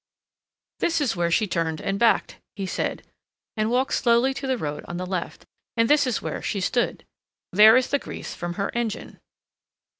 "This is where she turned and backed," he said, and walked slowly to the road on the left, "and this is where she stood. There is the grease from her engine."